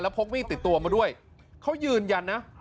พกมีดติดตัวมาด้วยเขายืนยันนะ